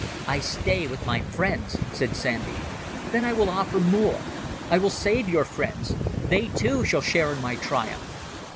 "I stay with my friends," said Sandy. "Then I will offer more. I will save your friends. They, too, shall share in my triumph."